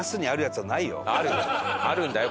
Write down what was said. あるんだよ